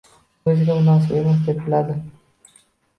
U o‘ziga munosib emas, deb biladi.